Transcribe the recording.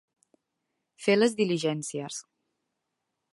Fer les diligències.